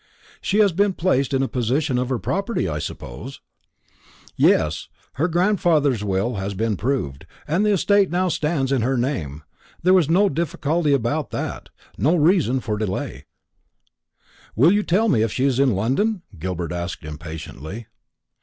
"She has been placed in possession of her property, I suppose?" "Yes; her grandfather's will has been proved, and the estate now stands in her name. There was no difficulty about that no reason for delay." "Will you tell me if she is in London?" Gilbert asked impatiently.